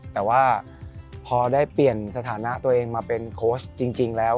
แต่ว่าพอได้เปลี่ยนสถานะตัวเองมาเป็นโค้ชจริงแล้ว